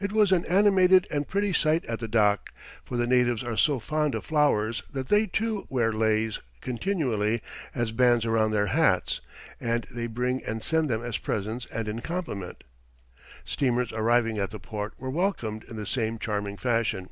It was an animated and pretty sight at the dock, for the natives are so fond of flowers that they, too, wear leis continually as bands around their hats, and they bring and send them as presents and in compliment. Steamers arriving at the port were welcomed in the same charming fashion.